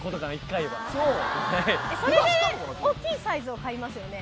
１回はそれで大きいサイズを買いますよね